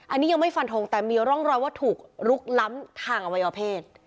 อันนี้ยังไม่ฟันทงแต่มีร่องรอยว่าถูกลุกล้ำทางอวัยวเพศ